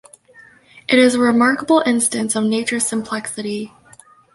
It is a remarkable instance of nature's simplexity.